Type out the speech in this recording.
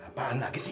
apaan lagi sih